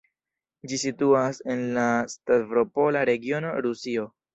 Ĝi situas en la Stavropola regiono, Rusio.